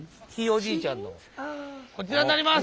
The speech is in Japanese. こちらになります！